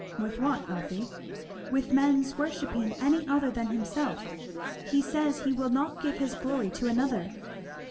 "With what, Elfie?" "With men's worshipping any other than himself. He says he 'will not give his glory to another.'"